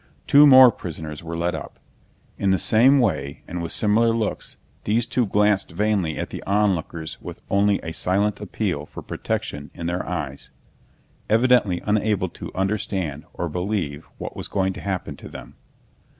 Two more prisoners were led up. In the same way and with similar looks, these two glanced vainly at the onlookers with only a silent appeal for protection in their eyes, evidently unable to understand or believe what was going to happen to them.